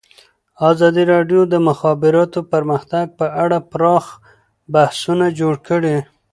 ازادي راډیو د د مخابراتو پرمختګ په اړه پراخ بحثونه جوړ کړي.